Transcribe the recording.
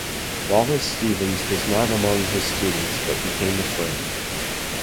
Wallace Stevens was not among his students but became a friend.